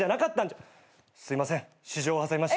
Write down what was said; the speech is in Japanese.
すいません私情を挟みました。